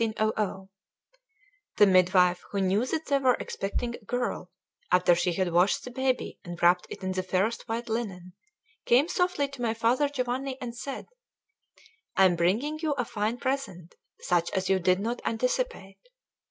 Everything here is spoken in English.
The midwife, who knew that they were expecting a girl, after she had washed the baby and wrapped it in the fairest white linen, came softly to my father Giovanni and said: "I am bringing you a fine present, such as you did not anticipate."